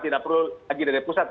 tidak perlu lagi dari pusat